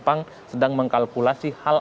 pan sedang mengkalkulasi hal